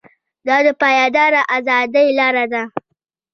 دا د پایداره ازادۍ لاره ده.